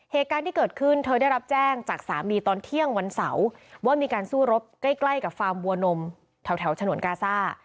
เหตุการณ์ที่เกิดขึ้นเธอได้รับแจ้งจากสามีตอนเที่ยงวันเสาร์ว่ามีการสู้รบใกล้ใกล้กับฟาร์มบัวนมแถวฉนวนกาซ่า